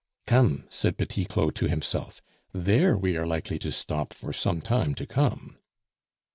"Come!" said Petit Claud to himself, "there we are likely to stop for some time to come."